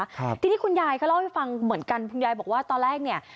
อีกแล้วนะคะที่ที่คุณยายก็เล่าให้ฟังเหมือนกันคุณยายบอกว่าตอนแรกเนี่ย